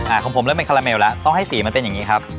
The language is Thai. ของผมเริ่มเป็นคาราเมลแล้วต้องให้สีมันเป็นอย่างนี้ครับ